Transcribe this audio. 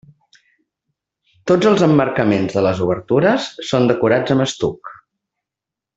Tots els emmarcaments de les obertures són decorats amb estuc.